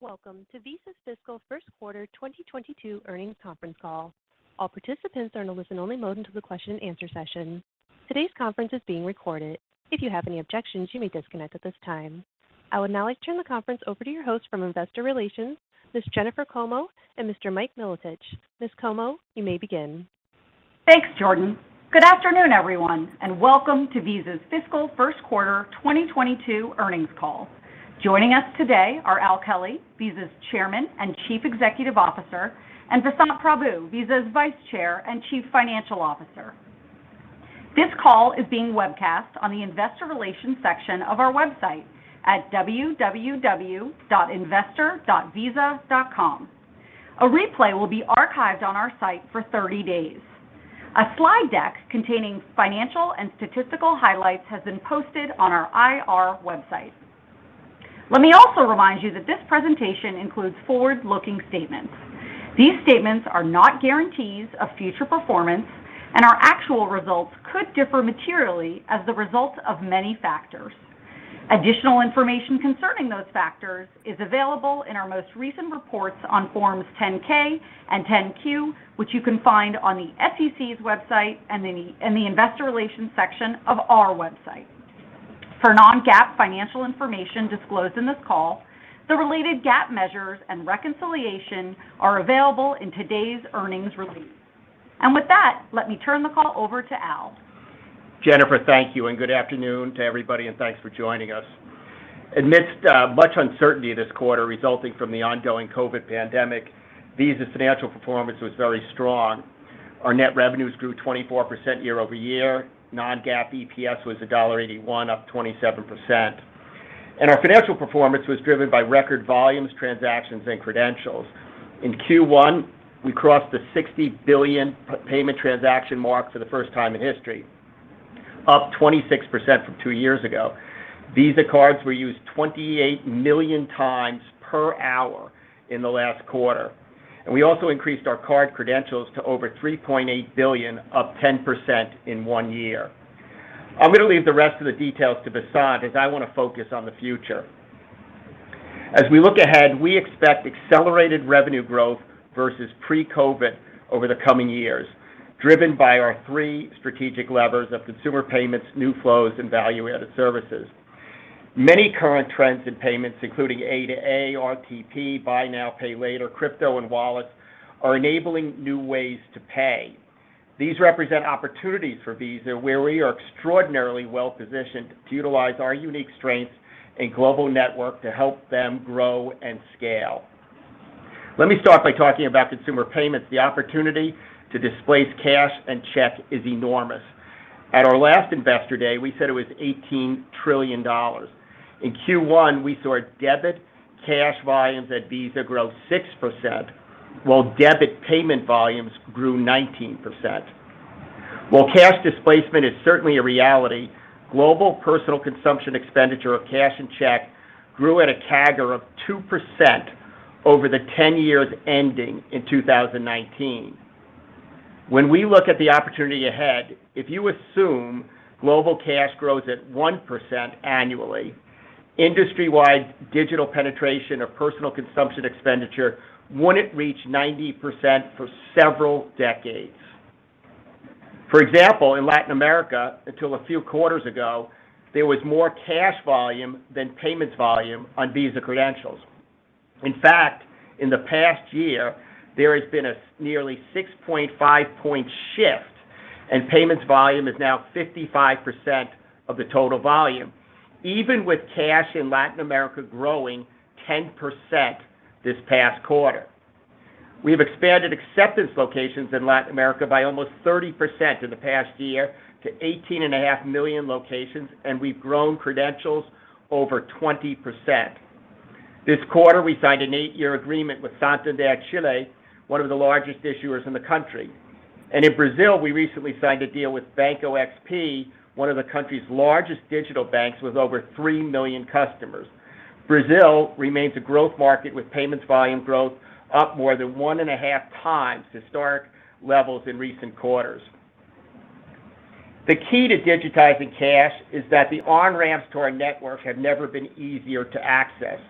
Welcome to Visa's Fiscal First Quarter 2022 Earnings Conference Call. All participants are in a listen-only mode until the question-and-answer session. Today's conference is being recorded. If you have any objections, you may disconnect at this time. I would now like to turn the conference over to your hosts from Investor Relations, Ms. Jennifer Como and Mr. Mike Milotich. Ms. Como, you may begin. Thanks, Jordan. Good afternoon, everyone, and welcome to Visa's Fiscal First Quarter 2022 Earnings Call. Joining us today are Al Kelly, Visa's Chairman and Chief Executive Officer, and Vasant Prabhu, Visa's Vice Chair and Chief Financial Officer. This call is being webcast on the Investor Relations section of our website at www.investor.visa.com. A replay will be archived on our site for 30 days. A slide deck containing financial and statistical highlights has been posted on our IR website. Let me also remind you that this presentation includes forward-looking statements. These statements are not guarantees of future performance, and our actual results could differ materially as the result of many factors. Additional information concerning those factors is available in our most recent reports on Forms 10-K and 10-Q, which you can find on the SEC's website and the Investor Relations section of our website. For non-GAAP financial information disclosed in this call, the related GAAP measures and reconciliation are available in today's earnings release. With that, let me turn the call over to Al. Jennifer, thank you, and good afternoon to everybody, and thanks for joining us. Amidst much uncertainty this quarter resulting from the ongoing COVID pandemic, Visa's financial performance was very strong. Our net revenues grew 24% year over year. Non-GAAP EPS was $1.81, up 27%. Our financial performance was driven by record volumes, transactions, and credentials. In Q1, we crossed the 60 billion payment transaction mark for the first time in history, up 26% from two years ago. Visa cards were used 28 million times per hour in the last quarter, and we also increased our card credentials to over 3.8 billion, up 10% in one year. I'm gonna leave the rest of the details to Vasant, as I wanna focus on the future. As we look ahead, we expect accelerated revenue growth versus pre-COVID over the coming years, driven by our three strategic levers of consumer payments, new flows, and value-added services. Many current trends in payments, including A2A, RTP, buy now, pay later, crypto, and wallets, are enabling new ways to pay. These represent opportunities for Visa, where we are extraordinarily well-positioned to utilize our unique strengths and global network to help them grow and scale. Let me start by talking about consumer payments. The opportunity to displace cash and check is enormous. At our last Investor Day, we said it was $18 trillion. In Q1, we saw debit cash volumes at Visa grow 6%, while debit payment volumes grew 19%. While cash displacement is certainly a reality, global personal consumption expenditure of cash and check grew at a CAGR of 2% over the 10 years ending in 2019. When we look at the opportunity ahead, if you assume global cash grows at 1% annually, industry-wide digital penetration of personal consumption expenditure wouldn't reach 90% for several decades. For example, in Latin America, until a few quarters ago, there was more cash volume than payments volume on Visa credentials. In fact, in the past year, there has been nearly 6.5-point shift, and payments volume is now 55% of the total volume, even with cash in Latin America growing 10% this past quarter. We have expanded acceptance locations in Latin America by almost 30% in the past year to 18.5 million locations, and we've grown credentials over 20%. This quarter, we signed an eight-year agreement with Banco Santander-Chile, one of the largest issuers in the country. In Brazil, we recently signed a deal with Banco XP, one of the country's largest digital banks with over three million customers. Brazil remains a growth market, with payments volume growth up more than 1.5 times historic levels in recent quarters. The key to digitizing cash is that the on-ramps to our network have never been easier to access.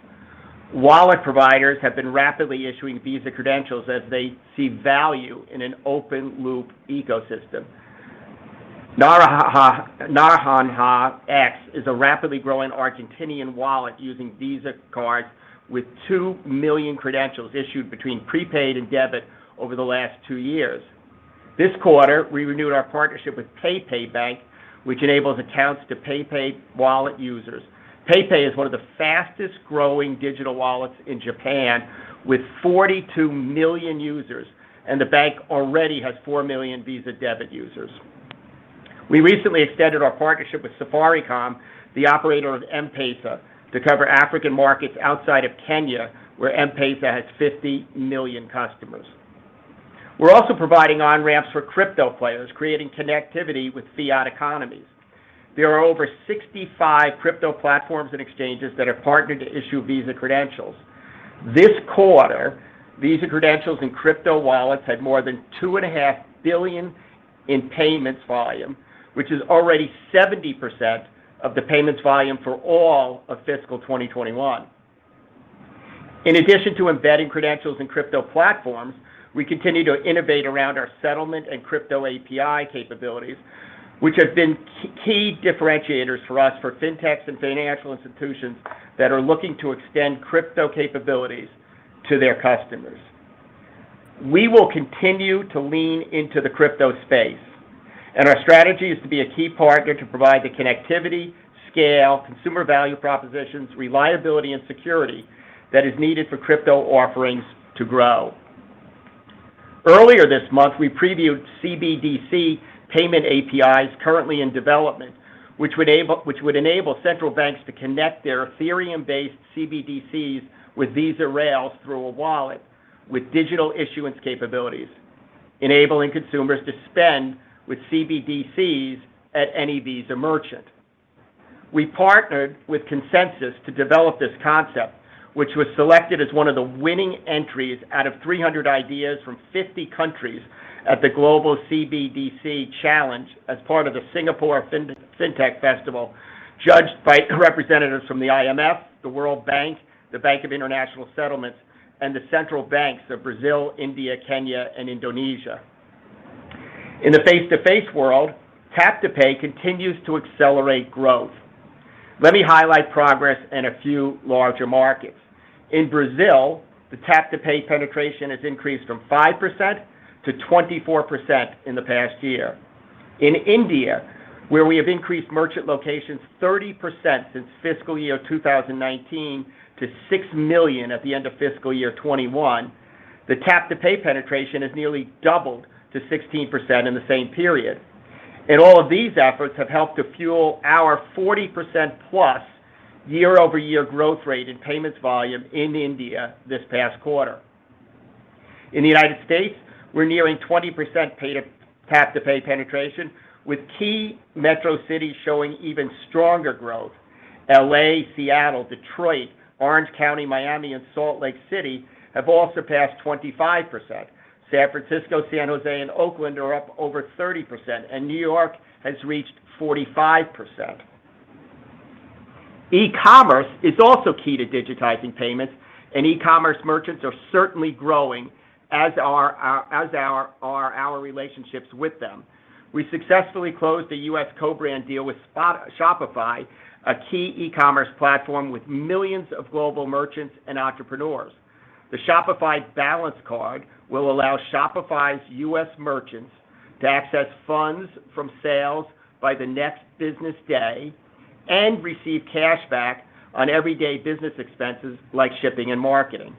Wallet providers have been rapidly issuing Visa credentials as they see value in an open-loop ecosystem. Naranja X is a rapidly growing Argentine wallet using Visa cards with two million credentials issued between prepaid and debit over the last two years. This quarter, we renewed our partnership with PayPay Bank, which enables accounts to PayPay wallet users. PayPay is one of the fastest-growing digital wallets in Japan, with 42 million users, and the bank already has four million Visa debit users. We recently extended our partnership with Safaricom, the operator of M-PESA, to cover African markets outside of Kenya, where M-PESA has 50 million customers. We're also providing on-ramps for crypto players, creating connectivity with fiat economies. There are over 65 crypto platforms and exchanges that are partnered to issue Visa credentials. This quarter, Visa credentials and crypto wallets had more than $2.5 billion in payments volume, which is already 70% of the payments volume for all of fiscal 2021. In addition to embedding credentials in crypto platforms, we continue to innovate around our settlement and crypto API capabilities, which have been key differentiators for us for fintechs and financial institutions that are looking to extend crypto capabilities to their customers. We will continue to lean into the crypto space, and our strategy is to be a key partner to provide the connectivity, scale, consumer value propositions, reliability, and security that is needed for crypto offerings to grow. Earlier this month, we previewed CBDC payment APIs currently in development, which would enable central banks to connect their Ethereum-based CBDCs with Visa rails through a wallet with digital issuance capabilities, enabling consumers to spend with CBDCs at any Visa merchant. We partnered with ConsenSys to develop this concept, which was selected as one of the winning entries out of 300 ideas from 50 countries at the Global CBDC Challenge as part of the Singapore FinTech Festival, judged by representatives from the IMF, the World Bank, the Bank for International Settlements, and the central banks of Brazil, India, Kenya, and Indonesia. In the face-to-face world, tap-to-pay continues to accelerate growth. Let me highlight progress in a few larger markets. In Brazil, the tap-to-pay penetration has increased from 5%-24% in the past year. In India, where we have increased merchant locations 30% since fiscal year 2019 to six million at the end of fiscal year 2021, the tap-to-pay penetration has nearly doubled to 16% in the same period. All of these efforts have helped to fuel our 40%+ year-over-year growth rate in payments volume in India this past quarter. In the United States, we're nearing 20% tap-to-pay penetration, with key metro cities showing even stronger growth. L.A., Seattle, Detroit, Orange County, Miami, and Salt Lake City have all surpassed 25%. San Francisco, San Jose, and Oakland are up over 30%, and New York has reached 45%. E-commerce is also key to digitizing payments, and e-commerce merchants are certainly growing, as are our relationships with them. We successfully closed a U.S. co-brand deal with Shopify, a key e-commerce platform with millions of global merchants and entrepreneurs. The Shopify Balance card will allow Shopify's U.S. merchants to access funds from sales by the next business day and receive cashback on everyday business expenses like shipping and marketing.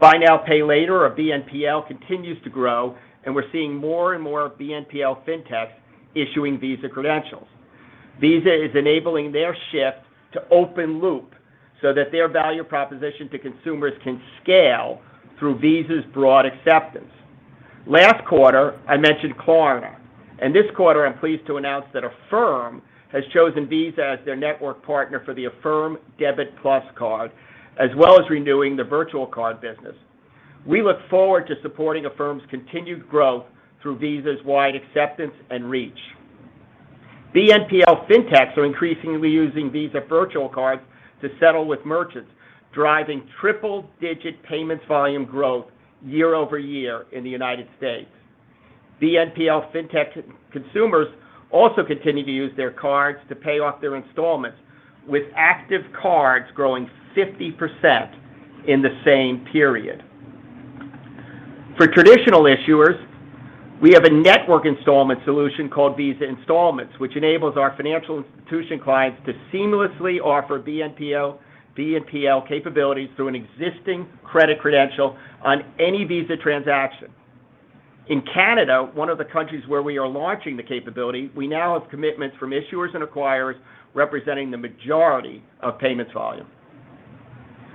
Buy now, pay later, or BNPL, continues to grow, and we're seeing more and more BNPL fintechs issuing Visa credentials. Visa is enabling their shift to open loop so that their value proposition to consumers can scale through Visa's broad acceptance. Last quarter, I mentioned Klarna, and this quarter, I'm pleased to announce that Affirm has chosen Visa as their network partner for the Affirm Debit+ card, as well as renewing the virtual card business. We look forward to supporting Affirm's continued growth through Visa's wide acceptance and reach. BNPL fintechs are increasingly using Visa virtual cards to settle with merchants, driving triple-digit payments volume growth year-over-year in the United States. BNPL fintech consumers also continue to use their cards to pay off their installments, with active cards growing 50% in the same period. For traditional issuers, we have a network installment solution called Visa Installments, which enables our financial institution clients to seamlessly offer BNPL capabilities through an existing credit credential on any Visa transaction. In Canada, one of the countries where we are launching the capability, we now have commitments from issuers and acquirers representing the majority of payments volume.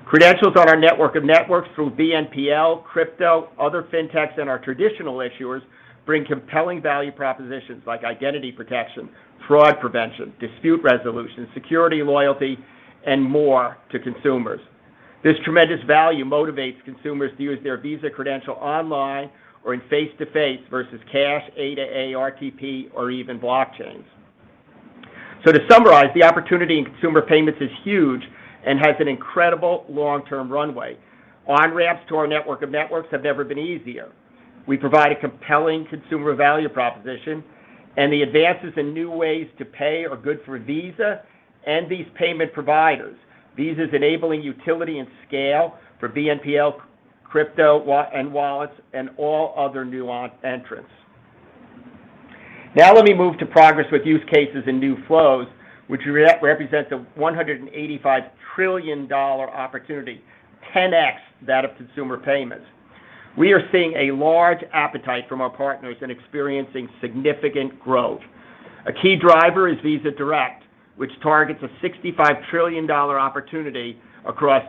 Credentials on our network of networks through BNPL, crypto, other fintechs, and our traditional issuers bring compelling value propositions like identity protection, fraud prevention, dispute resolution, security, loyalty, and more to consumers. This tremendous value motivates consumers to use their Visa credential online or in face-to-face versus cash, A2A, RTP, or even blockchains. To summarize, the opportunity in consumer payments is huge and has an incredible long-term runway. On-ramps to our network of networks have never been easier. We provide a compelling consumer value proposition, and the advances in new ways to pay are good for Visa and these payment providers. Visa is enabling utility and scale for BNPL, crypto, and wallets, and all other new entrants. Now let me move to progress with use cases and new flows, which represent the $185 trillion opportunity, 10x that of consumer payments. We are seeing a large appetite from our partners and experiencing significant growth. A key driver is Visa Direct, which targets a $65 trillion opportunity across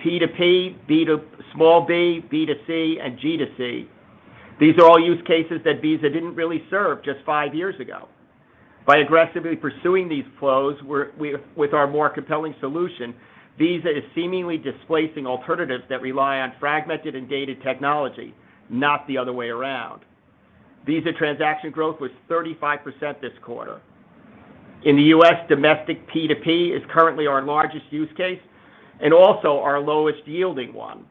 P2P, B2B, B2C, and G2C. These are all use cases that Visa didn't really serve just five years ago. By aggressively pursuing these flows with our more compelling solution, Visa is seemingly displacing alternatives that rely on fragmented and dated technology, not the other way around. Visa transaction growth was 35% this quarter. In the U.S., domestic P2P is currently our largest use case and also our lowest yielding one.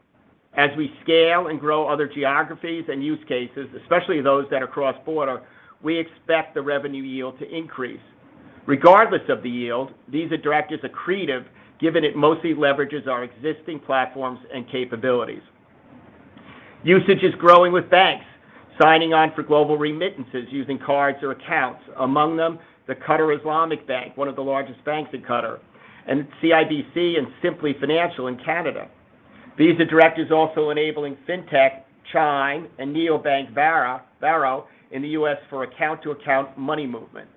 As we scale and grow other geographies and use cases, especially those that are cross-border, we expect the revenue yield to increase. Regardless of the yield, Visa Direct is accretive given it mostly leverages our existing platforms and capabilities. Usage is growing with banks signing on for global remittances using cards or accounts, among them the Qatar Islamic Bank, one of the largest banks in Qatar, and CIBC and Simplii Financial in Canada. Visa Direct is also enabling fintech, Chime, and neobank Varo in the U.S. for account-to-account money movement.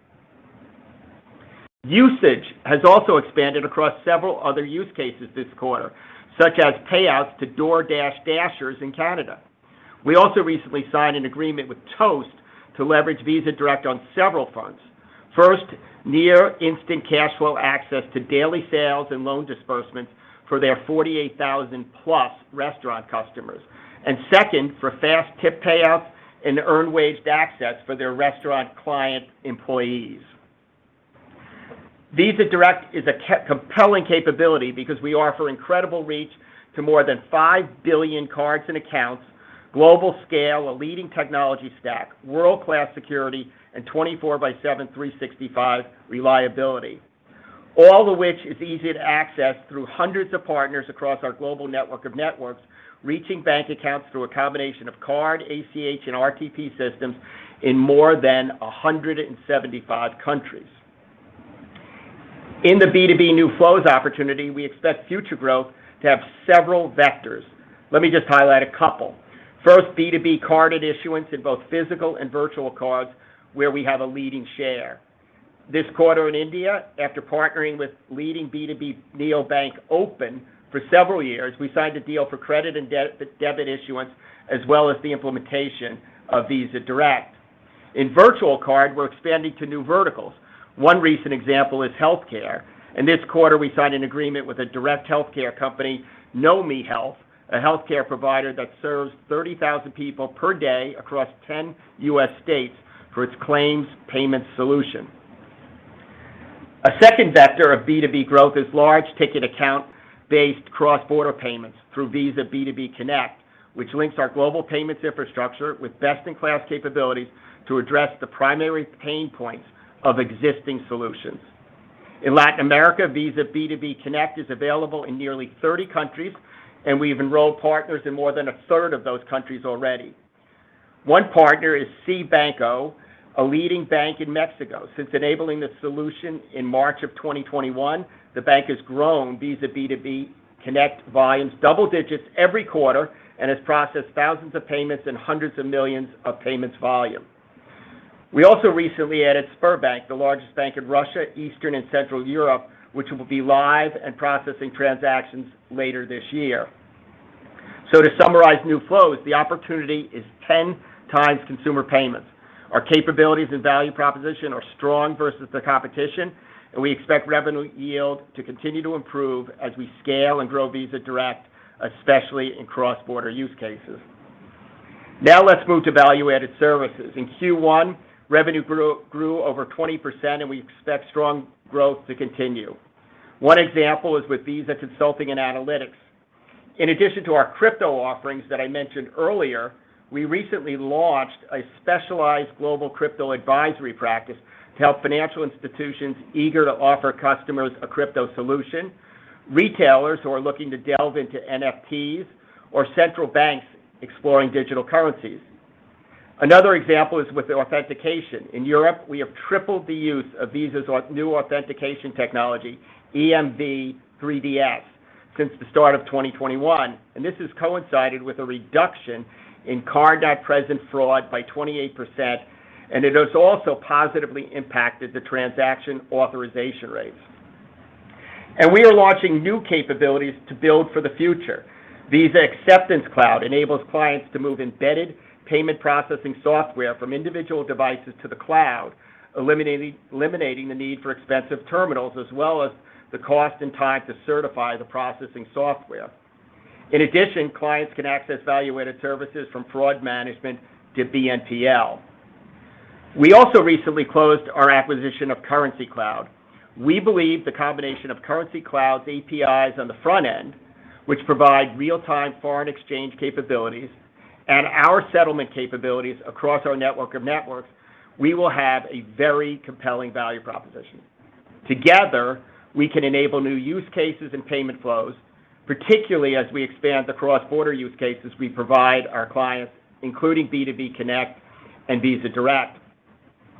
Usage has also expanded across several other use cases this quarter, such as payouts to DoorDash Dashers in Canada. We also recently signed an agreement with Toast to leverage Visa Direct on several fronts. First, near instant cash flow access to daily sales and loan disbursements for their 48,000+ restaurant customers, and second, for fast tip payouts and earned wage access for their restaurant client employees. Visa Direct is a compelling capability because we offer incredible reach to more than five billion cards and accounts, global scale, a leading technology stack, world-class security, and 24/7, 365 reliability, all of which is easy to access through hundreds of partners across our global network of networks, reaching bank accounts through a combination of card, ACH, and RTP systems in more than 175 countries. In the B2B New Flows opportunity, we expect future growth to have several vectors. Let me just highlight a couple. First, B2B carded issuance in both physical and virtual cards where we have a leading share. This quarter in India, after partnering with leading B2B neobank Open for several years, we signed a deal for credit and debit issuance as well as the implementation of Visa Direct. In virtual card, we're expanding to new verticals. One recent example is healthcare. In this quarter, we signed an agreement with a direct healthcare company, Nomi Health, a healthcare provider that serves 30,000 people per day across 10 U.S. states for its claims payment solution. A second vector of B2B growth is large ticket account-based cross-border payments through Visa B2B Connect, which links our global payments infrastructure with best-in-class capabilities to address the primary pain points of existing solutions. In Latin America, Visa B2B Connect is available in nearly 30 countries, and we've enrolled partners in more than a third of those countries already. One partner is CIBanco, a leading bank in Mexico. Since enabling this solution in March 2021, the bank has grown Visa B2B Connect volumes double digits every quarter and has processed thousands of payments and hundreds of millions of payments volume. We also recently added Sberbank, the largest bank in Russia, Eastern and Central Europe, which will be live and processing transactions later this year. To summarize new flows, the opportunity is 10x consumer payments. Our capabilities and value proposition are strong versus the competition, and we expect revenue yield to continue to improve as we scale and grow Visa Direct, especially in cross-border use cases. Now let's move to value-added services. In Q1, revenue grew over 20%, and we expect strong growth to continue. One example is with Visa Consulting and Analytics. In addition to our crypto offerings that I mentioned earlier, we recently launched a specialized global crypto advisory practice to help financial institutions eager to offer customers a crypto solution, retailers who are looking to delve into NFTs, or central banks exploring digital currencies. Another example is with authentication. In Europe, we have tripled the use of Visa's our new authentication technology, EMV 3DS, since the start of 2021, and this has coincided with a reduction in card-not-present fraud by 28%, and it has also positively impacted the transaction authorization rates. We are launching new capabilities to build for the future. Visa Acceptance Cloud enables clients to move embedded payment processing software from individual devices to the cloud, eliminating the need for expensive terminals as well as the cost and time to certify the processing software. In addition, clients can access value-added services from fraud management to BNPL. We also recently closed our acquisition of Currencycloud. We believe the combination of Currencycloud's APIs on the front end, which provide real-time foreign exchange capabilities, and our settlement capabilities across our network of networks, we will have a very compelling value proposition. Together, we can enable new use cases and payment flows, particularly as we expand the cross-border use cases we provide our clients, including B2B Connect and Visa Direct.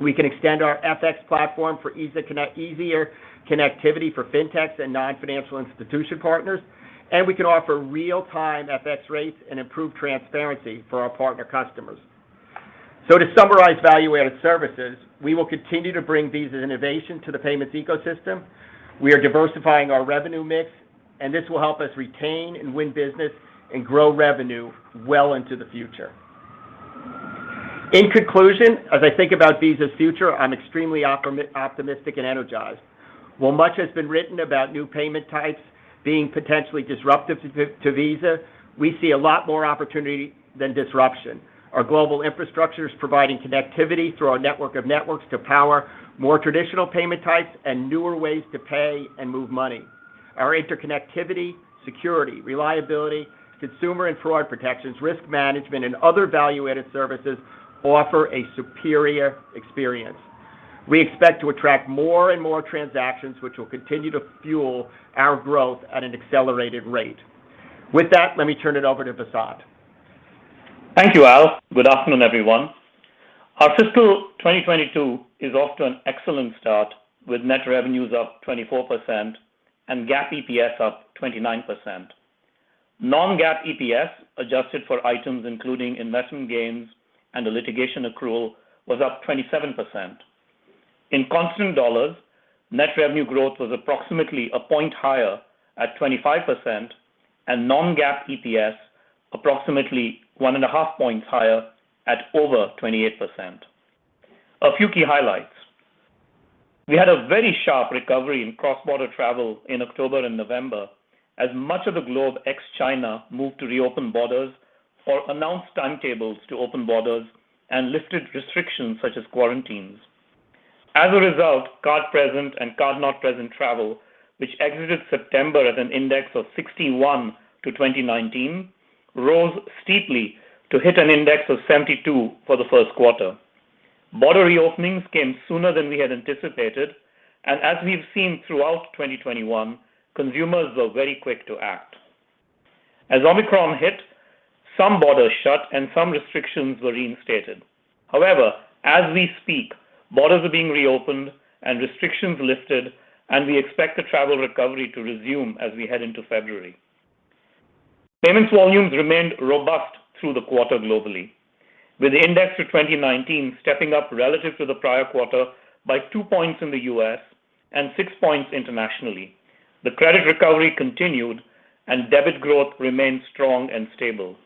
We can extend our FX platform for easier connectivity for fintechs and non-financial institution partners, and we can offer real-time FX rates and improved transparency for our partner customers. To summarize value-added services, we will continue to bring Visa's innovation to the payments ecosystem. We are diversifying our revenue mix, and this will help us retain and win business and grow revenue well into the future. In conclusion, as I think about Visa's future, I'm extremely optimistic and energized. While much has been written about new payment types being potentially disruptive to Visa, we see a lot more opportunity than disruption. Our global infrastructure is providing connectivity through our network of networks to power more traditional payment types and newer ways to pay and move money. Our interconnectivity, security, reliability, consumer and fraud protections, risk management, and other value-added services offer a superior experience. We expect to attract more and more transactions, which will continue to fuel our growth at an accelerated rate. With that, let me turn it over to Vasant. Thank you, Al. Good afternoon, everyone. Our fiscal 2022 is off to an excellent start, with net revenues up 24% and GAAP EPS up 29%. Non-GAAP EPS, adjusted for items including investment gains and the litigation accrual, was up 27%. In constant dollars, net revenue growth was approximately a point higher at 25% and non-GAAP EPS approximately one and a half points higher at over 28%. A few key highlights. We had a very sharp recovery in cross-border travel in October and November as much of the globe ex-China moved to reopen borders or announced timetables to open borders and lifted restrictions such as quarantines. As a result, card-present and card-not-present travel, which exited September at an index of 61 to 2019, rose steeply to hit an index of 72 for the first quarter. Border reopenings came sooner than we had anticipated, and as we've seen throughout 2021, consumers were very quick to act. As Omicron hit, some borders shut and some restrictions were reinstated. However, as we speak, borders are being reopened and restrictions lifted, and we expect the travel recovery to resume as we head into February. Payments volumes remained robust through the quarter globally, with the index for 2019 stepping up relative to the prior quarter by two points in the U.S. and six points internationally. The credit recovery continued, and debit growth remained strong and stable.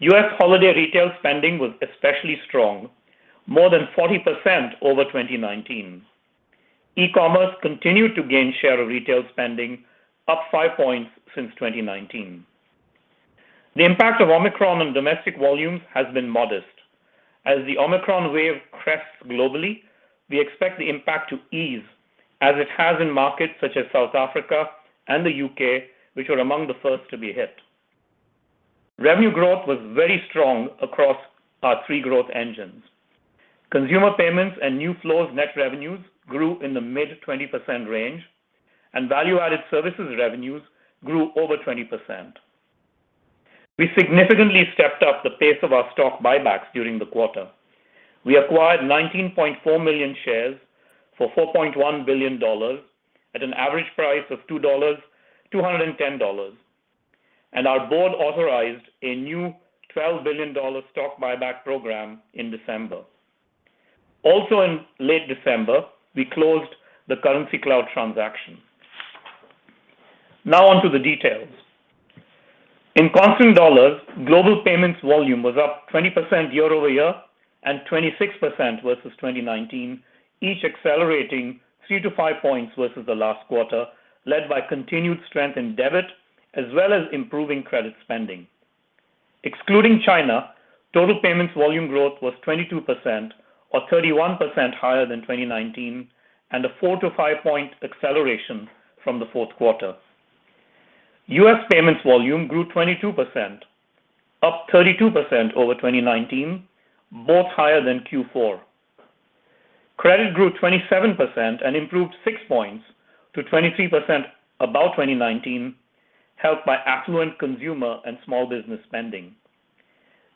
U.S. holiday retail spending was especially strong, more than 40% over 2019. E-commerce continued to gain share of retail spending, up five points since 2019. The impact of Omicron on domestic volumes has been modest. As the Omicron wave crests globally, we expect the impact to ease as it has in markets such as South Africa and the U.K., which were among the first to be hit. Revenue growth was very strong across our three growth engines. Consumer payments and new flows net revenues grew in the mid-20% range, and value-added services revenues grew over 20%. We significantly stepped up the pace of our stock buybacks during the quarter. We acquired 19.4 million shares for $4.1 billion at an average price of $210, and our board authorized a new $12 billion stock buyback program in December. Also in late December, we closed the Currencycloud transaction. Now on to the details. In constant dollars, global payments volume was up 20% year-over-year and 26% versus 2019, each accelerating three-five points versus the last quarter, led by continued strength in debit as well as improving credit spending. Excluding China, total payments volume growth was 22% or 31% higher than 2019 and a four-five-point acceleration from the fourth quarter. U.S. payments volume grew 22%, up 32% over 2019, both higher than Q4. Credit grew 27% and improved 6 points to 23% above 2019, helped by affluent consumer and small business spending.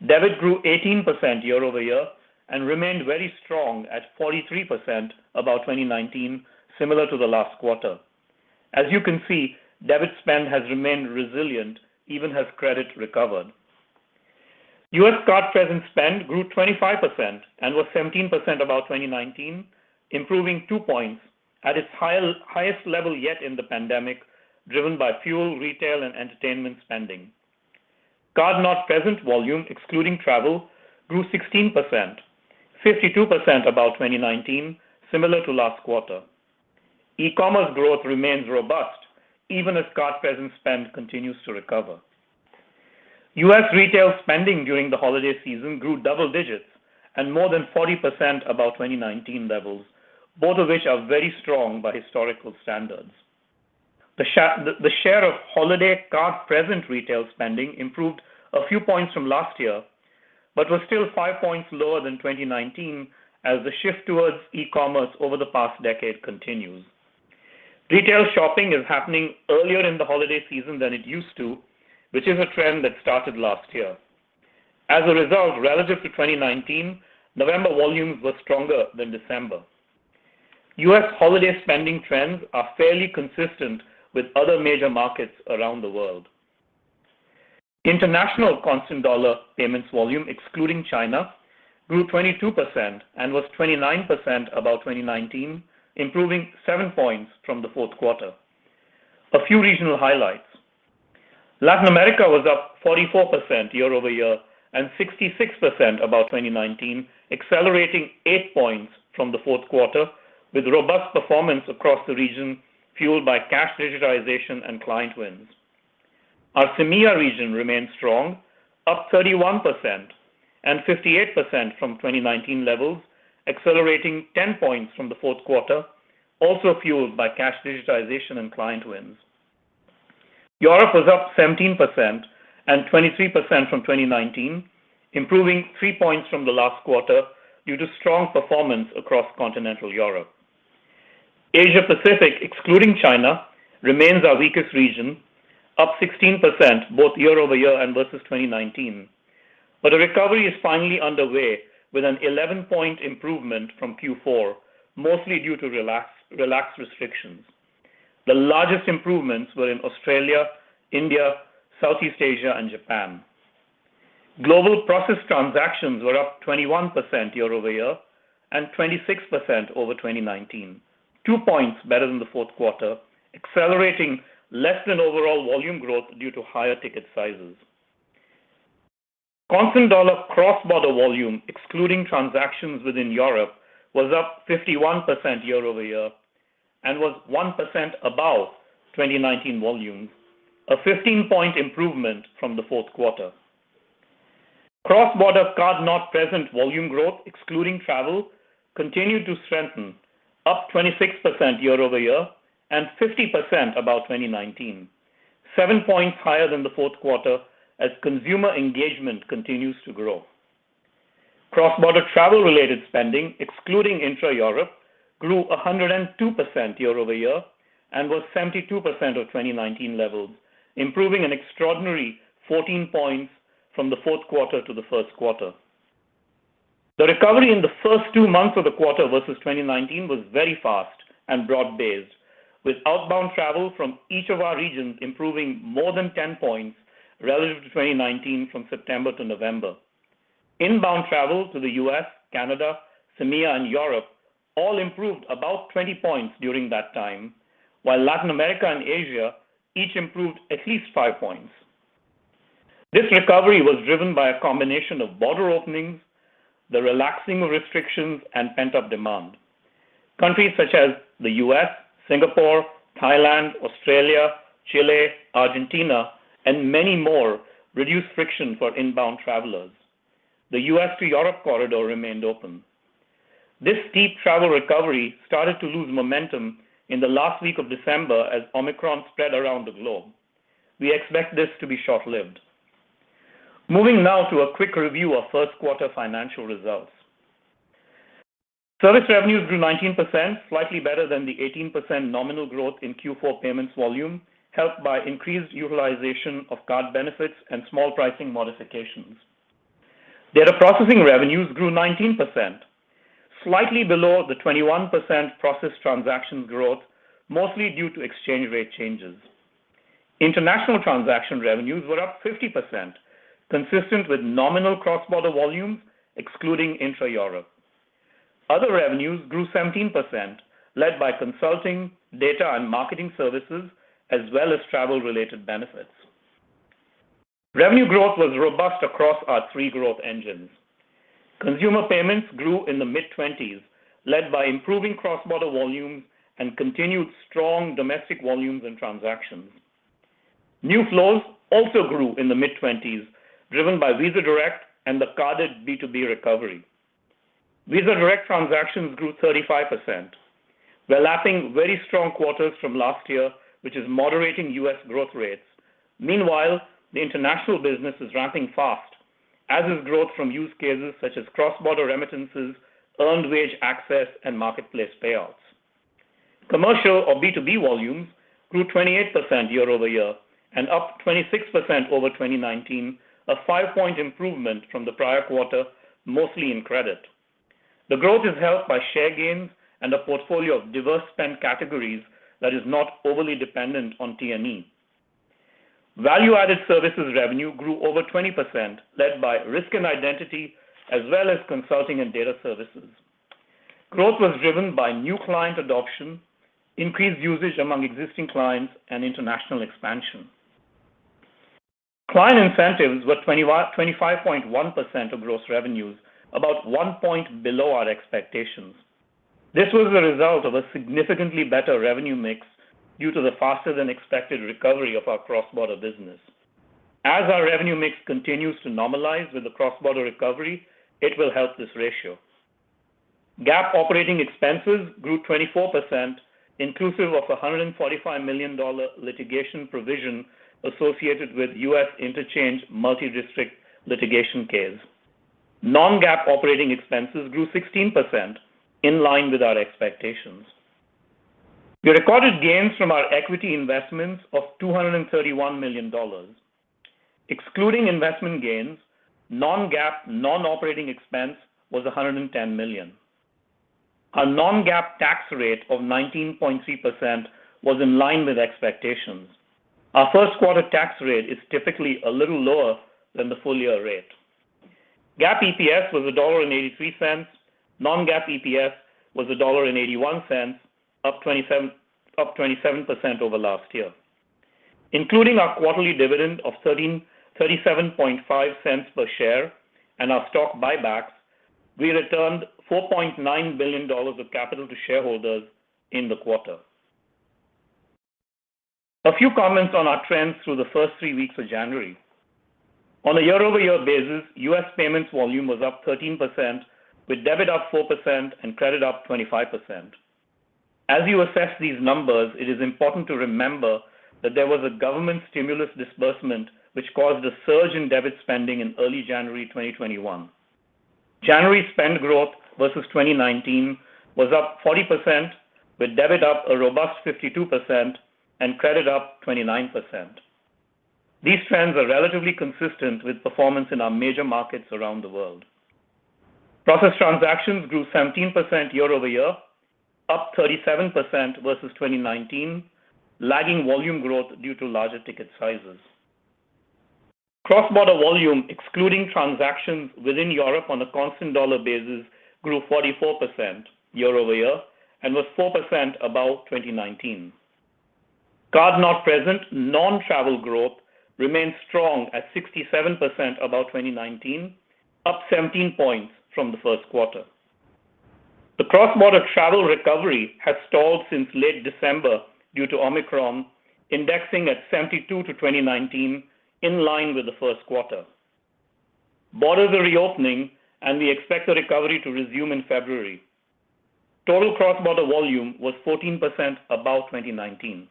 Debit grew 18% year-over-year and remained very strong at 43% above 2019, similar to the last quarter. As you can see, debit spend has remained resilient even as credit recovered. U.S. card-present spend grew 25% and was 17% above 2019, improving two points at its highest level yet in the pandemic, driven by fuel, retail, and entertainment spending. Card-not-present volume, excluding travel, grew 16%, 52% above 2019, similar to last quarter. E-commerce growth remains robust even as card-present spend continues to recover. U.S. retail spending during the holiday season grew double digits and more than 40% above 2019 levels, both of which are very strong by historical standards. The share of holiday card-present retail spending improved a few points from last year but was still five points lower than 2019 as the shift towards e-commerce over the past decade continues. Retail shopping is happening earlier in the holiday season than it used to, which is a trend that started last year. As a result, relative to 2019, November volumes were stronger than December. U.S. holiday spending trends are fairly consistent with other major markets around the world. International constant dollar payments volume, excluding China, grew 22% and was 29% above 2019, improving seven points from the fourth quarter. A few regional highlights. Latin America was up 44% year-over-year and 66% above 2019, accelerating eight points from the fourth quarter with robust performance across the region, fueled by cash digitization and client wins. Our CEMEA region remains strong, up 31% and 58% from 2019 levels, accelerating 10 points from the fourth quarter, also fueled by cash digitization and client wins. Europe was up 17% and 23% from 2019, improving three points from the last quarter due to strong performance across continental Europe. Asia Pacific, excluding China, remains our weakest region, up 16% both year-over-year and versus 2019. A recovery is finally underway with an 11-point improvement from Q4, mostly due to relaxed restrictions. The largest improvements were in Australia, India, Southeast Asia, and Japan. Global processed transactions were up 21% year-over-year and 26% over 2019. Two points better than the fourth quarter, accelerating less than overall volume growth due to higher ticket sizes. Constant dollar cross-border volume, excluding transactions within Europe, was up 51% year-over-year and was 1% above 2019 volumes, a 15-point improvement from the fourth quarter. Cross-border card-not-present volume growth, excluding travel, continued to strengthen, up 26% year-over-year and 50% above 2019. Seven points higher than the fourth quarter as consumer engagement continues to grow. Cross-border travel-related spending, excluding intra-Europe, grew 102% year-over-year and was 72% of 2019 levels, improving an extraordinary 14 points from the fourth quarter to the first quarter. The recovery in the first two months of the quarter versus 2019 was very fast and broad-based, with outbound travel from each of our regions improving more than 10 points relative to 2019 from September to November. Inbound travel to the U.S., Canada, CEMEA, and Europe all improved about 20 points during that time, while Latin America and Asia each improved at least five points. This recovery was driven by a combination of border openings, the relaxing of restrictions, and pent-up demand. Countries such as the U.S., Singapore, Thailand, Australia, Chile, Argentina, and many more reduced friction for inbound travelers. The U.S. to Europe corridor remained open. This steep travel recovery started to lose momentum in the last week of December as Omicron spread around the globe. We expect this to be short-lived. Moving now to a quick review of first quarter financial results. Service revenues grew 19%, slightly better than the 18% nominal growth in Q4 payments volume, helped by increased utilization of card benefits and small pricing modifications. Data processing revenues grew 19%, slightly below the 21% processed transactions growth, mostly due to exchange rate changes. International transaction revenues were up 50%, consistent with nominal cross-border volume, excluding intra-Europe. Other revenues grew 17%, led by consulting, data, and marketing services, as well as travel-related benefits. Revenue growth was robust across our three growth engines. Consumer payments grew in the mid-20s, led by improving cross-border volumes and continued strong domestic volumes and transactions. New flows also grew in the mid-20s, driven by Visa Direct and the carded B2B recovery. Visa Direct transactions grew 35%. We're lapping very strong quarters from last year, which is moderating U.S. growth rates. Meanwhile, the international business is ramping fast, as is growth from use cases such as cross-border remittances, earned wage access, and marketplace payouts. Commercial or B2B volumes grew 28% year-over-year and up 26% over 2019, a five-point improvement from the prior quarter, mostly in credit. The growth is helped by share gains and a portfolio of diverse spend categories that is not overly dependent on T&E. Value-added services revenue grew over 20% led by risk and identity, as well as consulting and data services. Growth was driven by new client adoption, increased usage among existing clients, and international expansion. Client incentives were 21 25.1% of gross revenues, about one point below our expectations. This was a result of a significantly better revenue mix due to the faster-than-expected recovery of our cross-border business. As our revenue mix continues to normalize with the cross-border recovery, it will help this ratio. GAAP operating expenses grew 24%, inclusive of a $145 million litigation provision associated with U.S. interchange multi-district litigation case. Non-GAAP operating expenses grew 16% in line with our expectations. We recorded gains from our equity investments of $231 million. Excluding investment gains, non-GAAP, non-operating expense was $110 million. Our non-GAAP tax rate of 19.3% was in line with expectations. Our first quarter tax rate is typically a little lower than the full-year rate. GAAP EPS was $1.83. Non-GAAP EPS was $1.81, up 27% over last year. Including our quarterly dividend of $0.375 per share and our stock buybacks, we returned $4.9 billion of capital to shareholders in the quarter. A few comments on our trends through the first three weeks of January. On a year-over-year basis, U.S. payments volume was up 13% with debit up 4% and credit up 25%. As you assess these numbers, it is important to remember that there was a government stimulus disbursement which caused a surge in debit spending in early January 2021. January spend growth versus 2019 was up 40% with debit up a robust 52% and credit up 29%. These trends are relatively consistent with performance in our major markets around the world. Processed transactions grew 17% year-over-year, up 37% versus 2019, lagging volume growth due to larger ticket sizes. Cross-border volume, excluding transactions within Europe on a constant dollar basis, grew 44% year-over-year and was 4% above 2019. Card-not-present non-travel growth remains strong at 67% above 2019, up 17 points from the first quarter. The cross-border travel recovery has stalled since late December due to Omicron, indexing at 72 to 2019 in line with the first quarter. Borders are reopening, and we expect the recovery to resume in February. Total cross-border volume was 14% above 2019.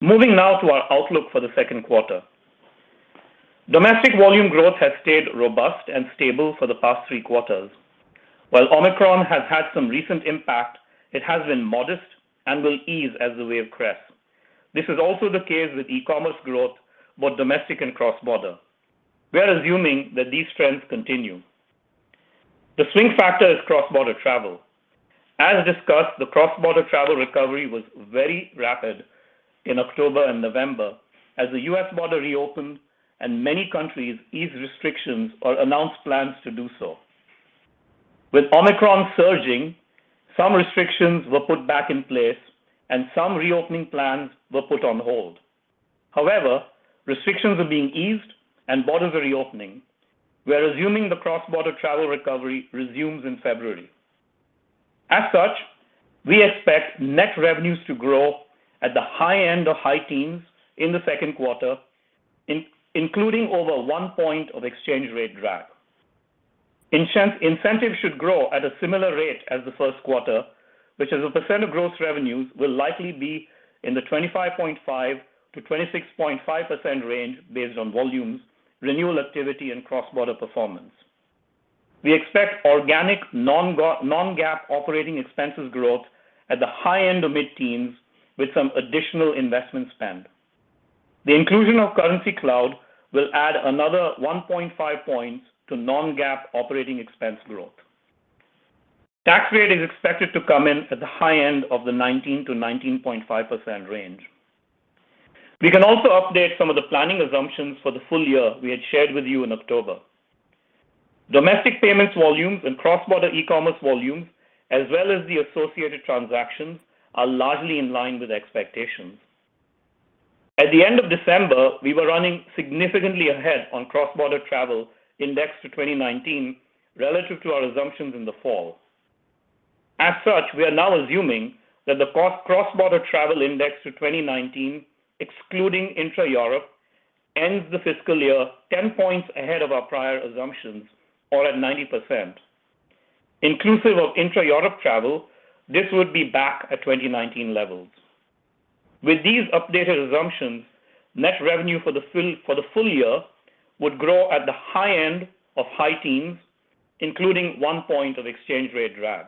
Moving now to our outlook for the second quarter. Domestic volume growth has stayed robust and stable for the past three quarters. While Omicron has had some recent impact, it has been modest and will ease as the wave crests. This is also the case with e-commerce growth, both domestic and cross-border. We are assuming that these trends continue. The swing factor is cross-border travel. As discussed, the cross-border travel recovery was very rapid in October and November as the U.S. border reopened and many countries eased restrictions or announced plans to do so. With Omicron surging, some restrictions were put back in place and some reopening plans were put on hold. However, restrictions are being eased and borders are reopening. We are assuming the cross-border travel recovery resumes in February. As such, we expect net revenues to grow at the high end of high teens in the second quarter including over one point of exchange rate drag. Incentives should grow at a similar rate as the first quarter, which as a percent of gross revenues will likely be in the 25.5%-26.5% range based on volumes, renewal activity and cross-border performance. We expect organic non-GAAP operating expenses growth at the high end of mid-teens with some additional investment spend. The inclusion of Currencycloud will add another 1.5 points to non-GAAP operating expense growth. Tax rate is expected to come in at the high end of the 19%-19.5% range. We can also update some of the planning assumptions for the full year we had shared with you in October. Domestic payments volumes and cross-border e-commerce volumes, as well as the associated transactions, are largely in line with expectations. At the end of December, we were running significantly ahead on cross-border travel indexed to 2019 relative to our assumptions in the fall. As such, we are now assuming that the cross-border travel index to 2019, excluding intra-Europe, ends the fiscal year 10 points ahead of our prior assumptions or at 90%. Inclusive of intra-Europe travel, this would be back at 2019 levels. With these updated assumptions, net revenue for the full year would grow at the high end of high teens, including one point of exchange rate drag.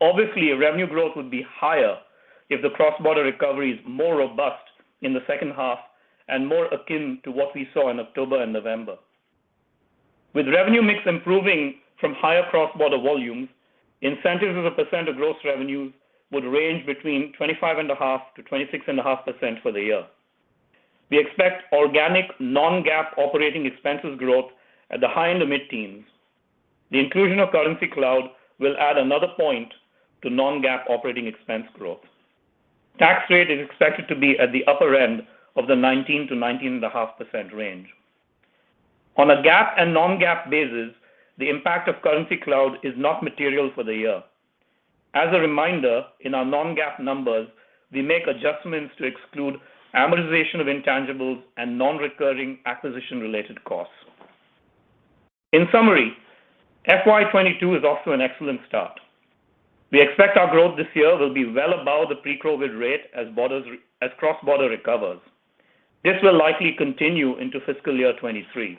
Obviously, revenue growth would be higher if the cross-border recovery is more robust in the second half and more akin to what we saw in October and November. With revenue mix improving from higher cross-border volumes, incentives as a percent of gross revenues would range between 25.5% and 26.5% for the year. We expect organic non-GAAP operating expenses growth at the high end of mid-teens. The inclusion of Currencycloud will add another point to non-GAAP operating expense growth. Tax rate is expected to be at the upper end of the 19%-19.5% range. On a GAAP and non-GAAP basis, the impact of Currencycloud is not material for the year. As a reminder, in our non-GAAP numbers, we make adjustments to exclude amortization of intangibles and non-recurring acquisition-related costs. In summary, FY 2022 is off to an excellent start. We expect our growth this year will be well above the pre-COVID rate as cross-border recovers. This will likely continue into fiscal year 2023.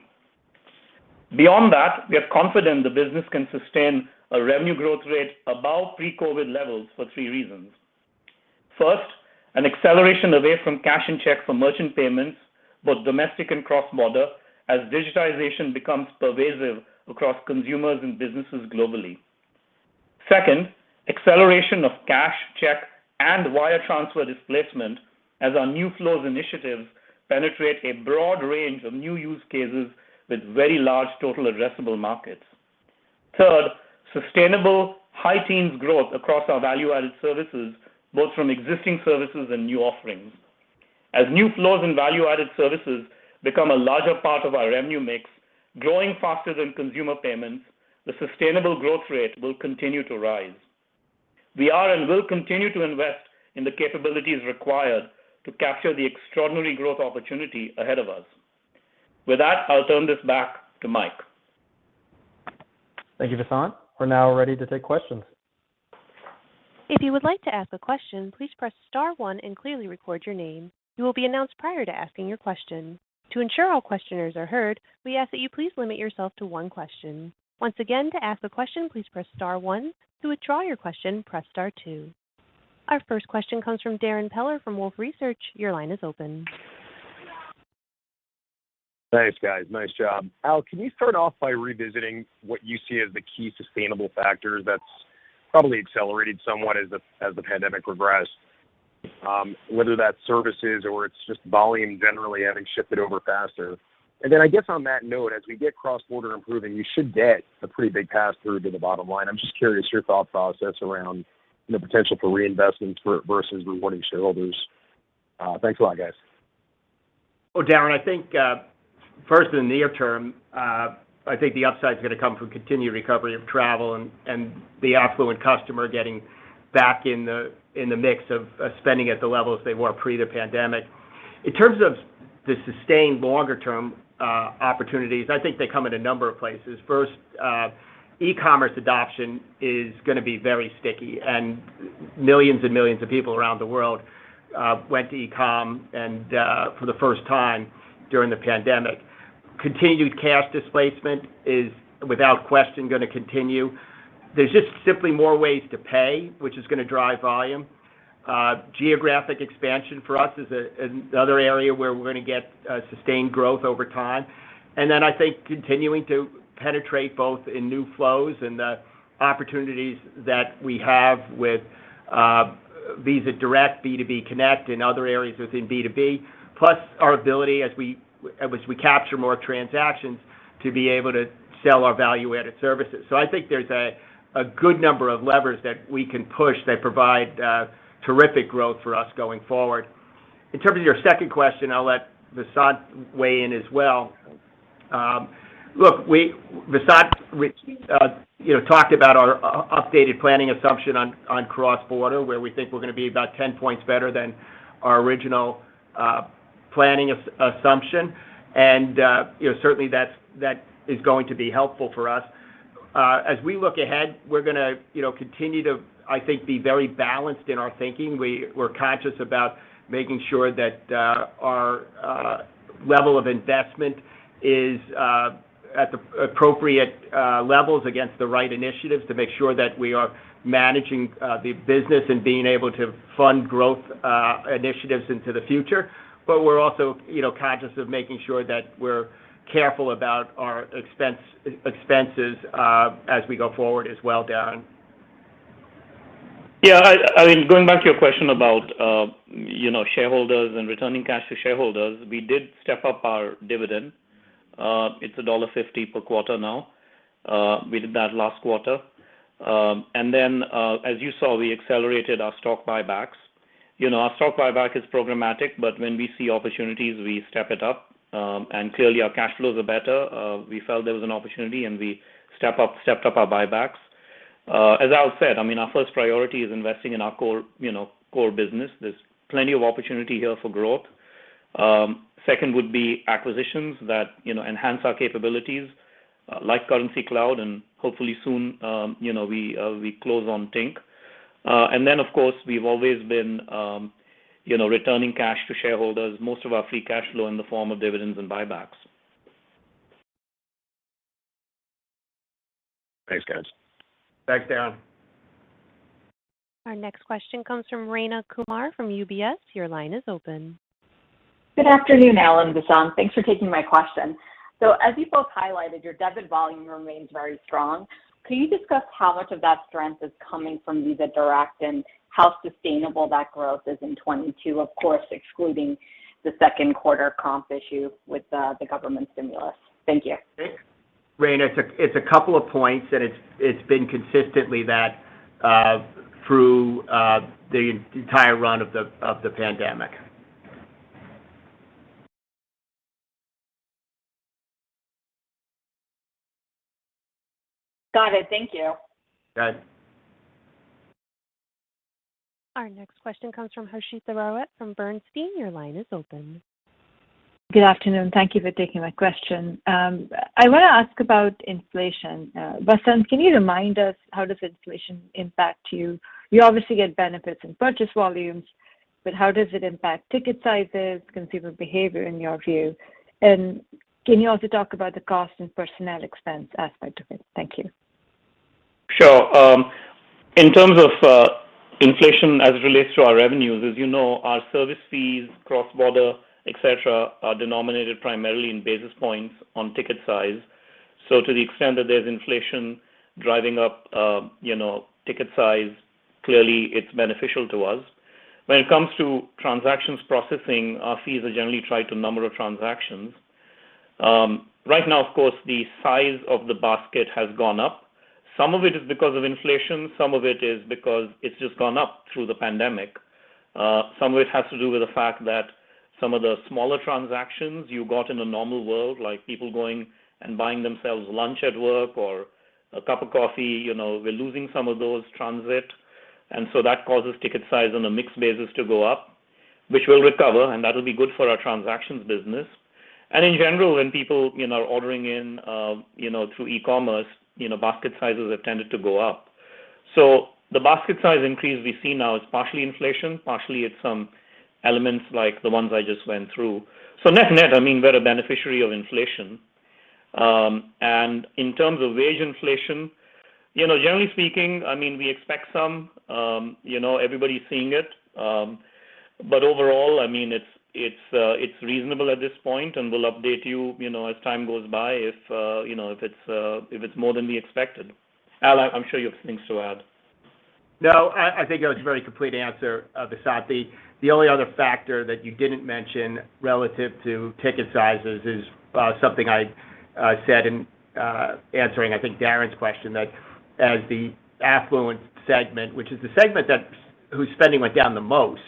Beyond that, we are confident the business can sustain a revenue growth rate above pre-COVID levels for three reasons. First, an acceleration away from cash and check for merchant payments, both domestic and cross-border, as digitization becomes pervasive across consumers and businesses globally. Second, acceleration of cash, check, and wire transfer displacement as our new flows initiatives penetrate a broad range of new use cases with very large total addressable markets. Third, sustainable high teens growth across our value-added services, both from existing services and new offerings. As new flows and value-added services become a larger part of our revenue mix, growing faster than consumer payments, the sustainable growth rate will continue to rise. We are and will continue to invest in the capabilities required to capture the extraordinary growth opportunity ahead of us. With that, I'll turn this back to Mike. Thank you, Vasant. We're now ready to take questions. If you would like to ask a question, please press star one and clearly record your name. You will be announced prior to asking a question. To ensure all questioners are heard, we ask that you please limit yourself to one question. Once again, to ask a question, please press star one. To withdraw your question, press star two. Our first question comes from Darrin Peller from Wolfe Research. Your line is open. Thanks, guys. Nice job. Al, can you start off by revisiting what you see as the key sustainable factor that's probably accelerated somewhat as the pandemic progressed, whether that's services or it's just volume generally having shifted over faster. I guess on that note, as we get cross-border improving, you should get a pretty big pass-through to the bottom line. I'm just curious your thought process around the potential for reinvestment versus rewarding shareholders. Thanks a lot, guys. Well, Darrin, I think, first in the near term, I think the upside is gonna come from continued recovery of travel and the affluent customer getting back in the mix of spending at the levels they were pre the pandemic. In terms of the sustained longer term, opportunities, I think they come in a number of places. First, e-commerce adoption is gonna be very sticky, and millions and millions of people around the world went to e-com and for the first time during the pandemic. Continued cash displacement is, without question, gonna continue. There's just simply more ways to pay, which is gonna drive volume. Geographic expansion for us is another area where we're gonna get sustained growth over time. I think continuing to penetrate both in new flows and the opportunities that we have with Visa Direct, B2B Connect, and other areas within B2B, plus our ability as we capture more transactions to be able to sell our value-added services. I think there's a good number of levers that we can push that provide terrific growth for us going forward. In terms of your second question, I'll let Vasant weigh in as well. Look, Vasant, you know, talked about our updated planning assumption on cross-border, where we think we're gonna be about 10 points better than our original planning assumption. You know, certainly, that's going to be helpful for us. As we look ahead, we're gonna, you know, continue to, I think, be very balanced in our thinking. We're conscious about making sure that our level of investment is at the appropriate levels against the right initiatives to make sure that we are managing the business and being able to fund growth initiatives into the future. We're also, you know, conscious of making sure that we're careful about our expenses as we go forward as well, Darrin. Yeah, I mean, going back to your question about, you know, shareholders and returning cash to shareholders, we did step up our dividend. It's $1.50 per quarter now. We did that last quarter. As you saw, we accelerated our stock buybacks. You know, our stock buyback is programmatic, but when we see opportunities, we step it up. Clearly our cash flows are better. We felt there was an opportunity, and we stepped up our buybacks. As Al said, I mean, our first priority is investing in our core, you know, core business. There's plenty of opportunity here for growth. Second would be acquisitions that, you know, enhance our capabilities, like Currencycloud, and hopefully soon, you know, we close on Tink. Of course, we've always been, you know, returning cash to shareholders, most of our free cash flow in the form of dividends and buybacks. Thanks, guys. Thanks, Darrin. Our next question comes from Rayna Kumar from UBS. Your line is open. Good afternoon, Al and Vasant. Thanks for taking my question. As you both highlighted, your debit volume remains very strong. Can you discuss how much of that strength is coming from Visa Direct and how sustainable that growth is in 2022, of course, excluding the second quarter comp issue with the government stimulus? Thank you. Rayna, it's a couple of points, and it's been consistently that through the entire run of the pandemic. Got it. Thank you. Got it. Our next question comes from Harshita Rawat from Bernstein. Your line is open. Good afternoon. Thank you for taking my question. I wanna ask about inflation. Vasant, can you remind us how does inflation impact you? You obviously get benefits in purchase volumes, but how does it impact ticket sizes, consumer behavior in your view? Can you also talk about the cost and personnel expense aspect of it? Thank you. Sure. In terms of inflation as it relates to our revenues. As you know, our service fees, cross-border, et cetera, are denominated primarily in basis points on ticket size. To the extent that there's inflation driving up, you know, ticket size, clearly it's beneficial to us. When it comes to transactions processing, our fees are generally tied to number of transactions. Right now, of course, the size of the basket has gone up. Some of it is because of inflation, some of it is because it's just gone up through the pandemic. Some of it has to do with the fact that some of the smaller transactions you got in a normal world, like people going and buying themselves lunch at work or a cup of coffee, you know, we're losing some of those transactions. That causes ticket size on a mixed basis to go up, which will recover, and that'll be good for our transactions business. In general, when people, you know, are ordering in, you know, through e-commerce, you know, basket sizes have tended to go up. The basket size increase we see now is partially inflation. Partially it's some elements like the ones I just went through. Net-net, I mean, we're a beneficiary of inflation. In terms of wage inflation, you know, generally speaking, I mean, we expect some, you know, everybody's seeing it. Overall, I mean, it's reasonable at this point, and we'll update you know, as time goes by if, you know, if it's more than we expected. Al, I'm sure you have things to add. No, I think that was a very complete answer, Vasant. The only other factor that you didn't mention relative to ticket sizes is something I said in answering I think Darrin's question that as the affluent segment, which is the segment whose spending went down the most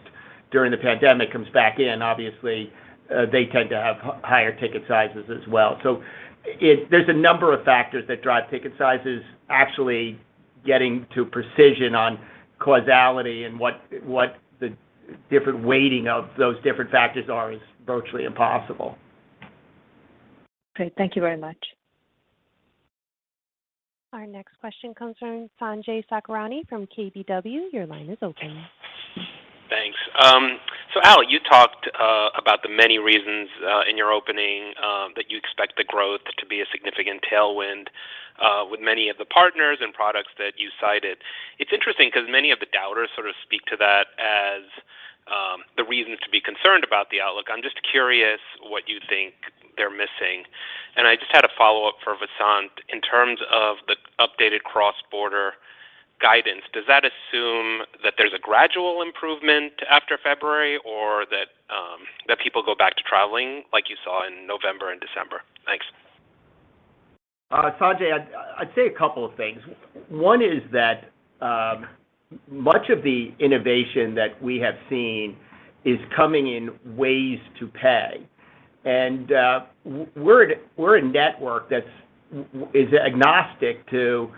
during the pandemic, comes back in, obviously, they tend to have higher ticket sizes as well. There's a number of factors that drive ticket sizes. Actually getting to precision on causality and what the different weighting of those different factors are is virtually impossible. Great. Thank you very much. Our next question comes from Sanjay Sakhrani from KBW. Your line is open. Thanks. So Al, you talked about the many reasons in your opening that you expect the growth to be a significant tailwind with many of the partners and products that you cited. It's interesting because many of the doubters sort of speak to that as the reasons to be concerned about the outlook. I'm just curious what you think they're missing. I just had a follow-up for Vasant. In terms of the updated cross-border guidance, does that assume that there's a gradual improvement after February or that people go back to traveling like you saw in November and December? Thanks. Sanjay, I'd say a couple of things. One is that much of the innovation that we have seen is coming in ways to pay. We're a network that's agnostic to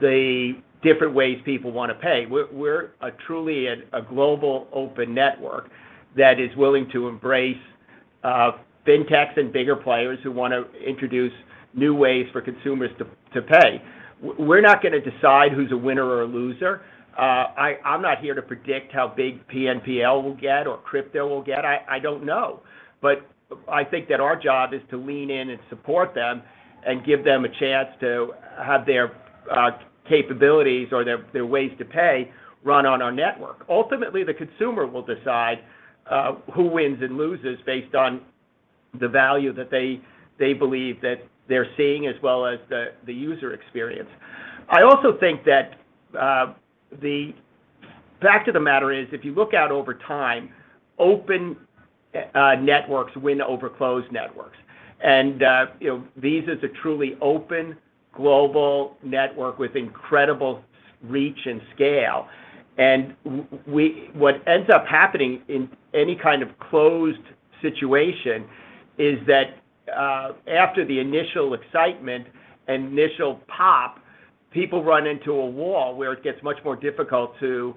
the different ways people wanna pay. We're a truly global open network that is willing to embrace fintechs and bigger players who wanna introduce new ways for consumers to pay. We're not gonna decide who's a winner or a loser. I'm not here to predict how big BNPL will get or crypto will get. I don't know. I think that our job is to lean in and support them and give them a chance to have their capabilities or their ways to pay run on our network. Ultimately, the consumer will decide who wins and loses based on the value that they believe that they're seeing as well as the user experience. I also think that the fact of the matter is, if you look out over time, open networks win over closed networks. You know, Visa is a truly open global network with incredible reach and scale. What ends up happening in any kind of closed situation is that after the initial excitement and initial pop, people run into a wall where it gets much more difficult to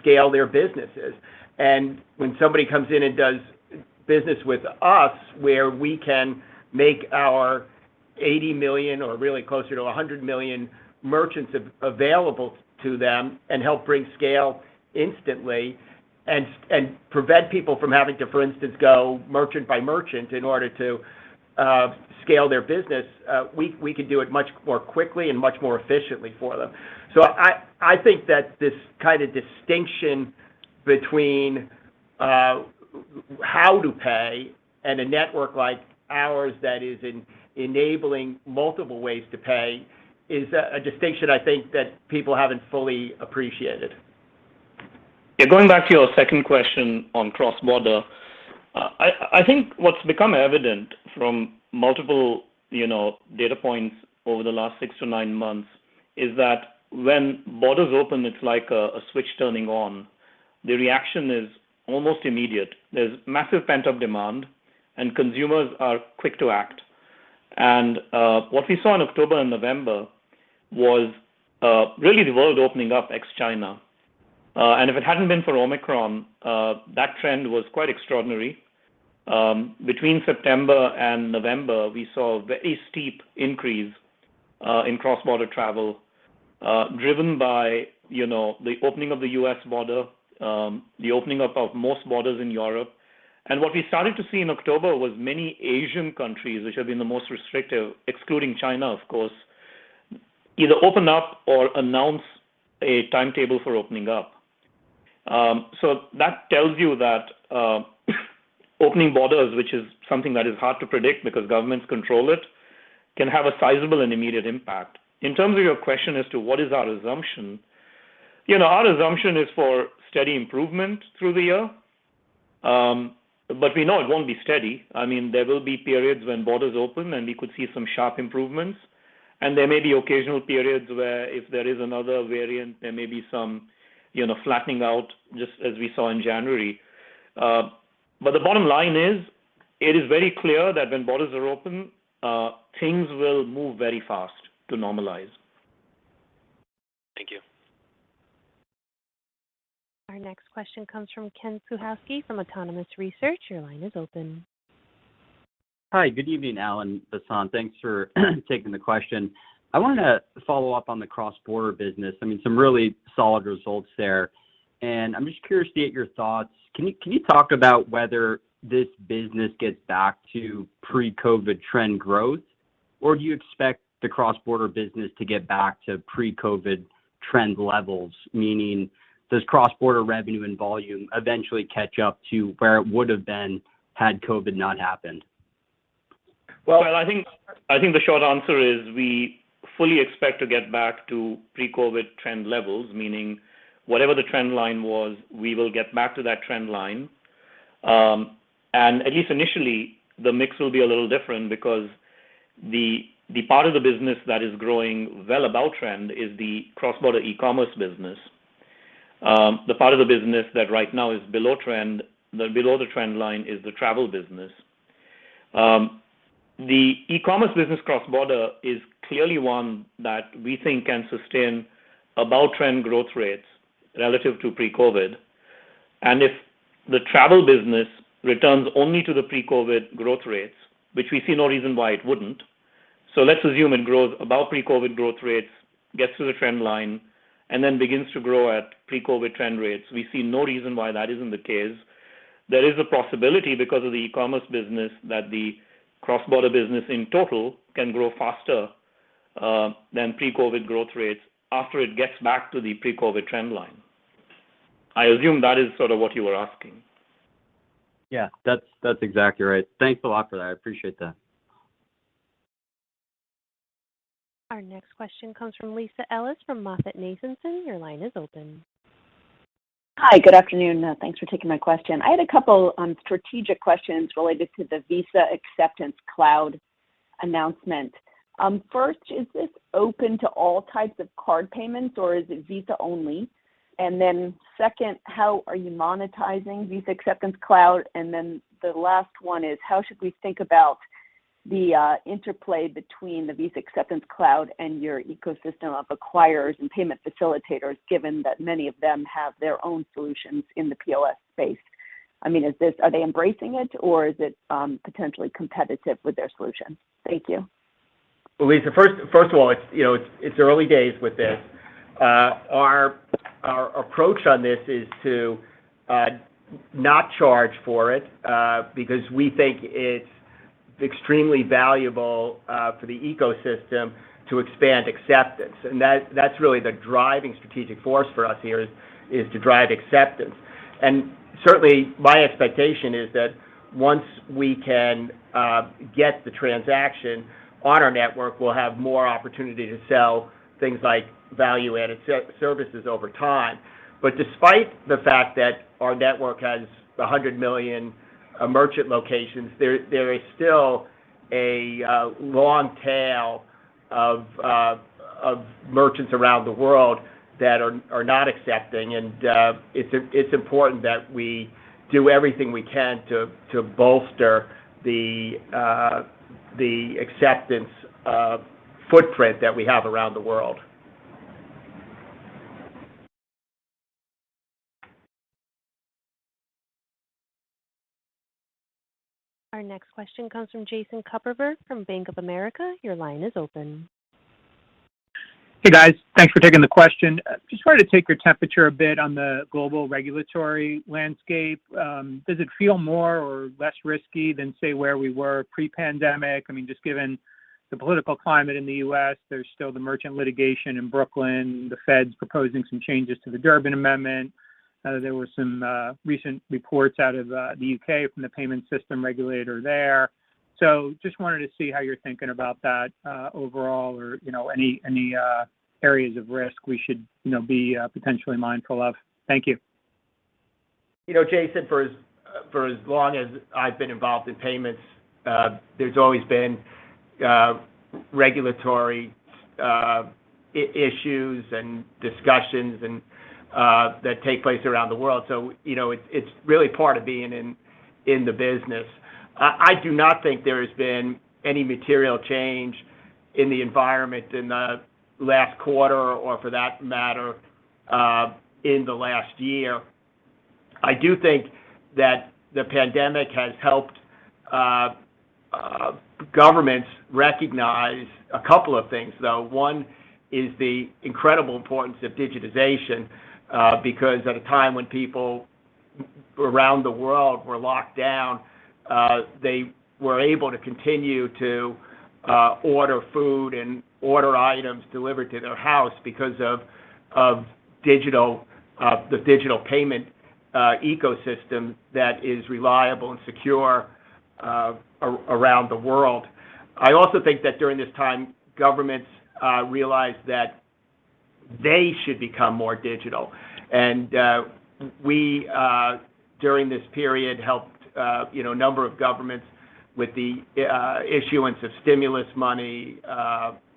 scale their businesses. When somebody comes in and does business with us, where we can make our 80 million or really closer to 100 million merchants available to them and help bring scale instantly and prevent people from having to, for instance, go merchant by merchant in order to scale their business, we can do it much more quickly and much more efficiently for them. I think that this kind of distinction between how to pay and a network like ours that is enabling multiple ways to pay is a distinction I think that people haven't fully appreciated. Yeah, going back to your second question on cross-border, I think what's become evident from multiple, you know, data points over the last six-nine months is that when borders open, it's like a switch turning on. The reaction is almost immediate. There's massive pent-up demand, and consumers are quick to act. What we saw in October and November was really the world opening up ex-China. If it hadn't been for Omicron, that trend was quite extraordinary. Between September and November, we saw a very steep increase in cross-border travel, driven by, you know, the opening of the U.S. border, the opening up of most borders in Europe. What we started to see in October was many Asian countries, which have been the most restrictive, excluding China, of course, either open up or announce a timetable for opening up. That tells you that opening borders, which is something that is hard to predict because governments control it, can have a sizable and immediate impact. In terms of your question as to what is our assumption, you know, our assumption is for steady improvement through the year. We know it won't be steady. I mean, there will be periods when borders open, and we could see some sharp improvements. There may be occasional periods where if there is another variant, there may be some, you know, flattening out just as we saw in January. The bottom line is, it is very clear that when borders are open, things will move very fast to normalize. Thank you. Our next question comes from Ken Suchoski from Autonomous Research. Your line is open. Hi. Good evening, Al and Vasant. Thanks for taking the question. I wanted to follow up on the cross-border business. I mean, some really solid results there. I'm just curious to get your thoughts. Can you talk about whether this business gets back to pre-COVID trend growth, or do you expect the cross-border business to get back to pre-COVID trend levels? Meaning, does cross-border revenue and volume eventually catch up to where it would have been had COVID not happened? Well, I think the short answer is we fully expect to get back to pre-COVID trend levels, meaning whatever the trend line was, we will get back to that trend line. At least initially, the mix will be a little different because the part of the business that is growing well above trend is the cross-border e-commerce business. The part of the business that right now is below trend, below the trend line, is the travel business. The e-commerce business cross-border is clearly one that we think can sustain above trend growth rates relative to pre-COVID. If the travel business returns only to the pre-COVID growth rates, which we see no reason why it wouldn't. Let's assume it grows above pre-COVID growth rates, gets to the trend line, and then begins to grow at pre-COVID trend rates. We see no reason why that isn't the case. There is a possibility because of the e-commerce business that the cross-border business in total can grow faster than pre-COVID growth rates after it gets back to the pre-COVID trend line. I assume that is sort of what you were asking. Yeah, that's exactly right. Thanks a lot for that. I appreciate that. Our next question comes from Lisa Ellis from MoffettNathanson. Your line is open. Hi. Good afternoon. Thanks for taking my question. I had a couple strategic questions related to the Visa Acceptance Cloud announcement. First, is this open to all types of card payments, or is it Visa only? Second, how are you monetizing Visa Acceptance Cloud? The last one is, how should we think about the interplay between the Visa Acceptance Cloud and your ecosystem of acquirers and payment facilitators, given that many of them have their own solutions in the POS space? I mean, are they embracing it or is it potentially competitive with their solution? Thank you. Lisa, first of all, you know, it's early days with this. Our approach on this is to not charge for it because we think it's extremely valuable for the ecosystem to expand acceptance. That's really the driving strategic force for us here is to drive acceptance. Certainly, my expectation is that once we can get the transaction on our network, we'll have more opportunity to sell things like value-added services over time. Despite the fact that our network has 100 million merchant locations, there is still a long tail of merchants around the world that are not accepting. It's important that we do everything we can to bolster the acceptance footprint that we have around the world. Our next question comes from Jason Kupferberg from Bank of America. Your line is open. Hey, guys. Thanks for taking the question. Just wanted to take your temperature a bit on the global regulatory landscape. Does it feel more or less risky than, say, where we were pre-pandemic? I mean, just given the political climate in the U.S., there's still the merchant litigation in Brooklyn, the feds proposing some changes to the Durbin Amendment. There were some recent reports out of the U.K. from the payment system regulator there. Just wanted to see how you're thinking about that overall or, you know, any areas of risk we should, you know, be potentially mindful of. Thank you. You know, Jason, for as long as I've been involved in payments, there's always been regulatory issues and discussions and that take place around the world. You know, it's really part of being in the business. I do not think there has been any material change in the environment in the last quarter or for that matter, in the last year. I do think that the pandemic has helped. Governments recognize a couple of things, though. One is the incredible importance of digitization, because at a time when people around the world were locked down, they were able to continue to order food and order items delivered to their house because of the digital payment ecosystem that is reliable and secure around the world. I also think that during this time, governments realized that they should become more digital. We during this period helped, you know, a number of governments with the issuance of stimulus money,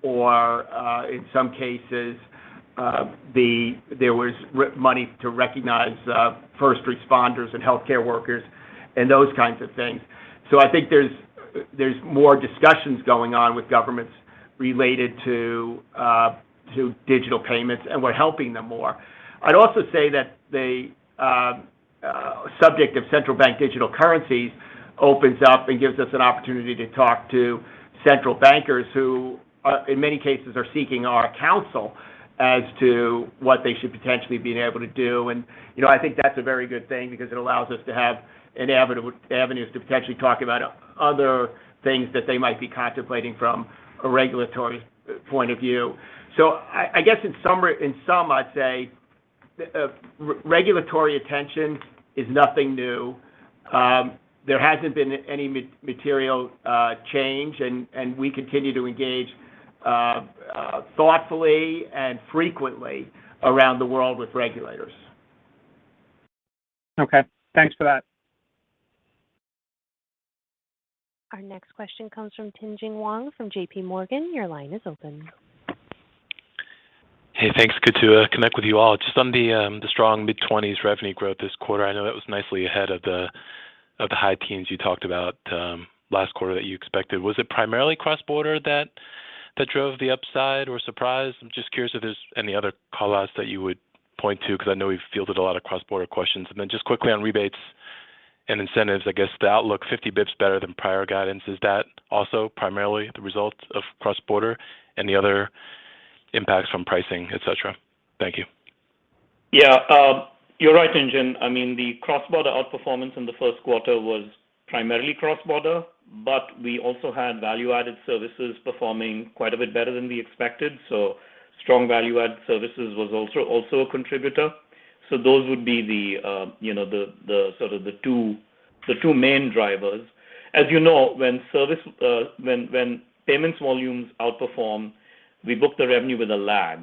or in some cases, there was reward money to recognize first responders and healthcare workers and those kinds of things. I think there's more discussions going on with governments related to digital payments, and we're helping them more. I'd also say that the subject of central bank digital currencies opens up and gives us an opportunity to talk to central bankers who, in many cases, are seeking our counsel as to what they should potentially be able to do. You know, I think that's a very good thing because it allows us to have an avenue to potentially talk about other things that they might be contemplating from a regulatory point of view. In sum, I'd say regulatory attention is nothing new. There hasn't been any material change and we continue to engage thoughtfully and frequently around the world with regulators. Okay. Thanks for that. Our next question comes from Tien-Tsin Huang from JP Morgan. Your line is open. Hey, thanks. Good to connect with you all. Just on the strong mid-20s revenue growth this quarter, I know it was nicely ahead of the high teens you talked about last quarter that you expected. Was it primarily cross-border that drove the upside or surprise? I'm just curious if there's any other call-outs that you would point to, 'cause I know we've fielded a lot of cross-border questions. Just quickly on rebates and incentives, I guess the outlook 50 basis points better than prior guidance, is that also primarily the result of cross-border and the other impacts from pricing, et cetera? Thank you. Yeah, you're right, Tien-Tsin. I mean, the cross-border outperformance in the first quarter was primarily cross-border, but we also had value-added services performing quite a bit better than we expected. Strong value-add services was also a contributor. So those would be the, you know, the two main drivers. As you know, when payments volumes outperform, we book the revenue with a lag.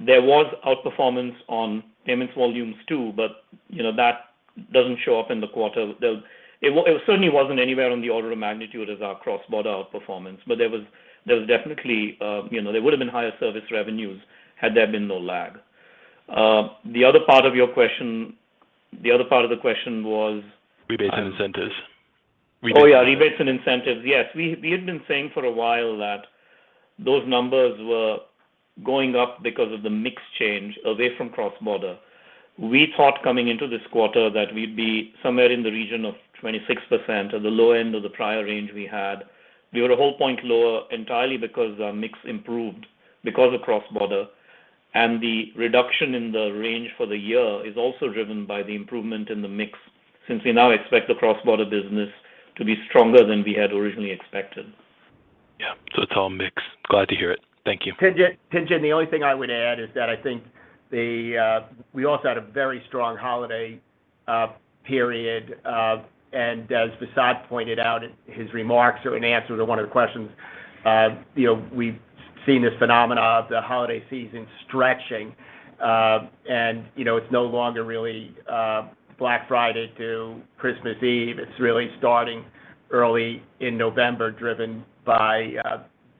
There was outperformance on payments volumes too, but, you know, that doesn't show up in the quarter. It certainly wasn't anywhere on the order of magnitude as our cross-border outperformance, but there was definitely, you know, there would've been higher service revenues had there been no lag. The other part of your question was, Rebates and incentives. Oh yeah, rebates and incentives. Yes. We had been saying for a while that those numbers were going up because of the mix change away from cross-border. We thought coming into this quarter that we'd be somewhere in the region of 26% or the low end of the prior range we had. We were a whole point lower entirely because our mix improved because of cross-border, and the reduction in the range for the year is also driven by the improvement in the mix, since we now expect the cross-border business to be stronger than we had originally expected. Yeah. It's all mix. Glad to hear it. Thank you. Tien-Tsin Huang, the only thing I would add is that I think we also had a very strong holiday period, and as Vasant pointed out in his remarks or in answer to one of the questions, you know, we've seen this phenomenon of the holiday season stretching, and, you know, it's no longer really Black Friday to Christmas Eve. It's really starting early in November, driven by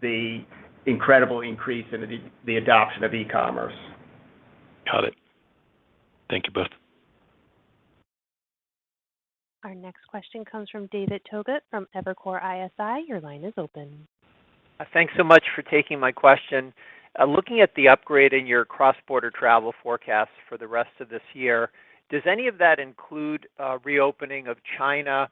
the incredible increase in the adoption of e-commerce. Got it. Thank you both. Our next question comes from David Togut from Evercore ISI. Your line is open. Thanks so much for taking my question. Looking at the upgrade in your cross-border travel forecast for the rest of this year, does any of that include reopening of China?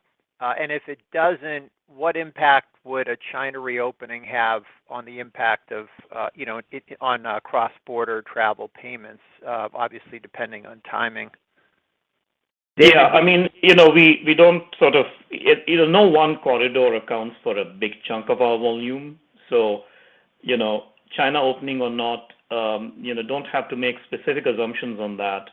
If it doesn't, what impact would a China reopening have on the impact of, you know, on cross-border travel payments, obviously depending on timing? Yeah. I mean, you know, we don't. You know, no one corridor accounts for a big chunk of our volume, so, you know, China opening or not, you know, don't have to make specific assumptions on that.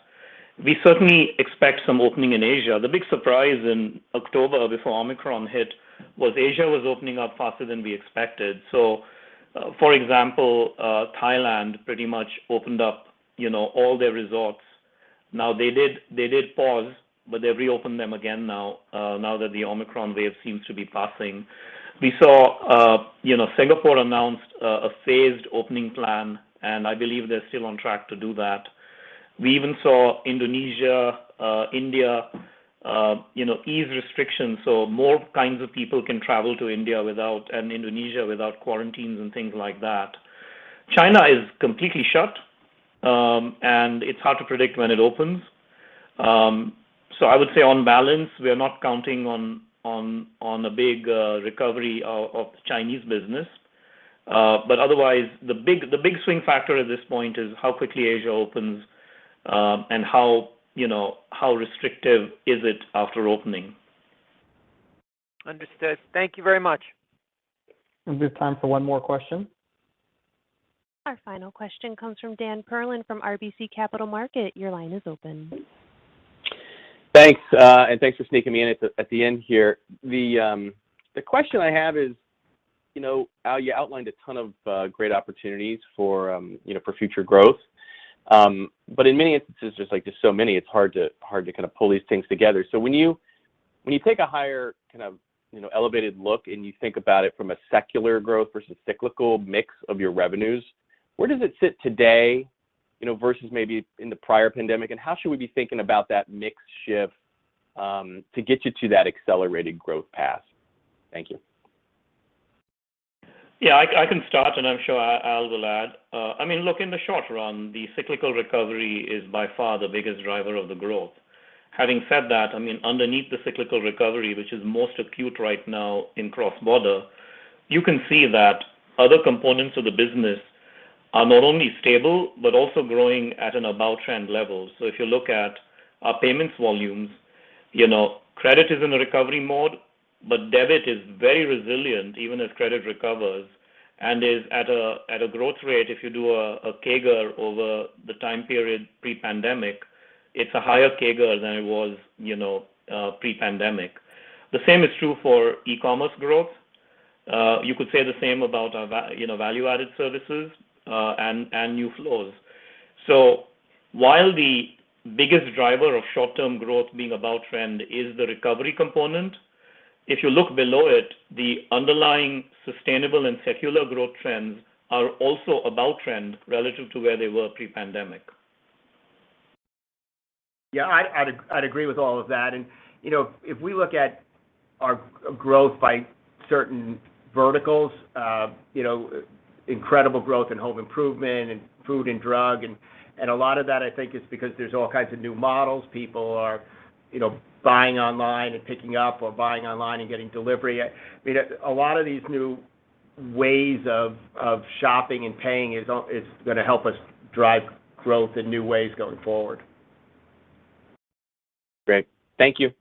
We certainly expect some opening in Asia. The big surprise in October before Omicron hit was Asia was opening up faster than we expected. For example, Thailand pretty much opened up, you know, all their resorts. Now they did pause, but they've reopened them again now that the Omicron wave seems to be passing. We saw, you know, Singapore announced a phased opening plan, and I believe they're still on track to do that. We even saw Indonesia, India, ease restrictions, so more kinds of people can travel to India and Indonesia without quarantines and things like that. China is completely shut, and it's hard to predict when it opens. I would say on balance, we are not counting on a big recovery of the Chinese business. Otherwise, the big swing factor at this point is how quickly Asia opens, and how restrictive is it after opening. Understood. Thank you very much. We have time for one more question. Our final question comes from Dan Perlin from RBC Capital Markets. Your line is open. Thanks. And thanks for sneaking me in at the end here. The question I have is, you know, Al, you outlined a ton of great opportunities for, you know, for future growth. But in many instances, there's like, just so many, it's hard to kinda pull these things together. So when you take a higher kind of, you know, elevated look, and you think about it from a secular growth versus cyclical mix of your revenues, where does it sit today, you know, versus maybe in the prior pandemic? How should we be thinking about that mix shift to get you to that accelerated growth path? Thank you. Yeah. I can start, and I'm sure Al will add. I mean, look, in the short run, the cyclical recovery is by far the biggest driver of the growth. Having said that, I mean, underneath the cyclical recovery, which is most acute right now in cross-border, you can see that other components of the business are not only stable but also growing at an above-trend level. If you look at our payments volumes, you know, credit is in a recovery mode, but debit is very resilient, even as credit recovers, and is at a growth rate. If you do a CAGR over the time period pre-pandemic, it's a higher CAGR than it was, you know, pre-pandemic. The same is true for e-commerce growth. You could say the same about our value-added services, and new flows. While the biggest driver of short-term growth being above trend is the recovery component, if you look below it, the underlying sustainable and secular growth trends are also above trend relative to where they were pre-pandemic. Yeah. I'd agree with all of that. You know, if we look at our growth by certain verticals, you know, incredible growth in home improvement and food and drug and a lot of that I think is because there's all kinds of new models. People are, you know, buying online and picking up or buying online and getting delivery. I mean, a lot of these new ways of shopping and paying is gonna help us drive growth in new ways going forward. Great. Thank you.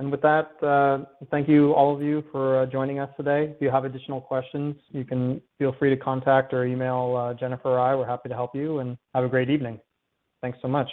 With that, thank you, all of you, for joining us today. If you have additional questions, you can feel free to contact or email Jennifer or I. We're happy to help you, and have a great evening. Thanks so much.